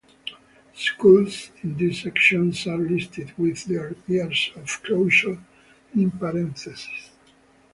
Schools in this section are listed with their years of closure in parentheses.